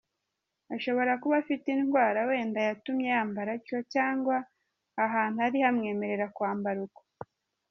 Ashobora kuba afite indwara wenda yatumye yambara atyo, cyangwa ahantu ari hamwemerera kwambara uko.